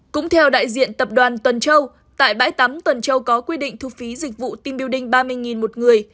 cũng theo đại diện tập đoàn tuần châu tại bãi tắm tuần châu có quy định thu phí dịch vụ team building ba mươi k một người